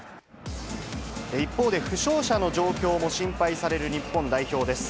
一方で負傷者の状況も心配される日本代表です。